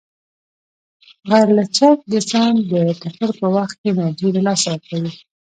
غیرلچک جسم د ټکر په وخت کې انرژي له لاسه ورکوي.